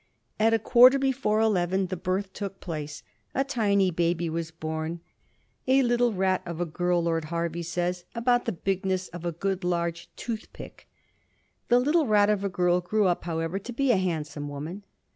At a quarter before eleven the birth took place. A tiny baby was bom; '^a little rat of a girl," Lord Hervey says, "about the bigness of a good large tooth pick." The little rat of a girl grew up, how ever, to be a handsome woman.